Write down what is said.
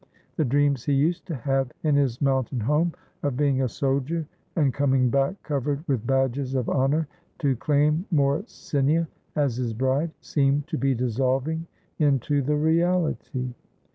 The dreams he used to have in his mountain home, of being a 502 THE LITTLE JANIZARY soldier and coming back covered with badges of honor to claim Morsinia as his bride, seemed to be dissolv^ing into the reality.